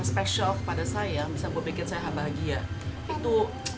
yang spesial kepada saya bisa gue bikin saya bahagia itu